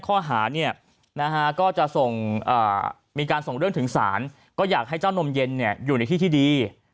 แจ้งข้ออาหารจะส่งเมื่อมีการส่งเรื่องถึงศาลก็อยากให้เจ้านมเย็นอยู่ในที่ดี